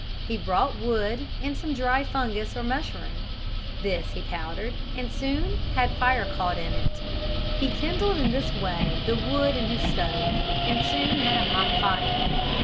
He brought wood and some dry fungus or mushroom. This he powdered and soon had fire caught in it. He kindled in this way the wood in his stove and soon had a hot fire.